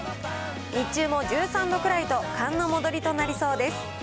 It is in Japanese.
日中も１３度ぐらいと寒の戻りとなりそうです。